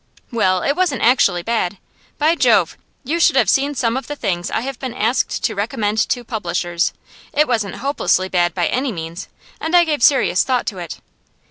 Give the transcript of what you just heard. Well, it wasn't actually bad by Jove! you should have seen some of the things I have been asked to recommend to publishers! It wasn't hopelessly bad by any means, and I gave serious thought to it.